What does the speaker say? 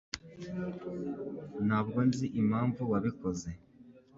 Ntabwo nzi impamvu wabikoze.